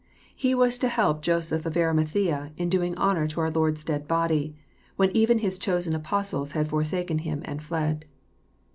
He was to help Joseph of Arimathsea in doing honour to our Lord's dead body, when even His chosen Apostles had forsaken Him and fled.